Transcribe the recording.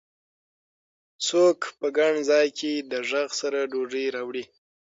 څوک په ګڼ ځای کي د ږغ سره ډوډۍ راوړي؟